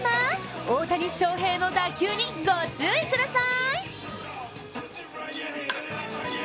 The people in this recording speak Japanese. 大谷翔平の打球にご注意ください！